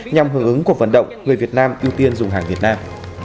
nhằm hưởng ứng cuộc vận động người việt nam ưu tiên dùng hàng việt nam